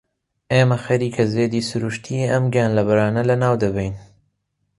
ئێمە خەریکە زێدی سروشتیی ئەم گیانلەبەرانە لەناو دەبەین.